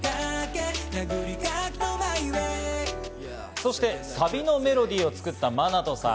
そしてサビのメロディーを作ったＭＡＮＡＴＯさん。